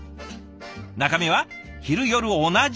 中身は昼夜同じ。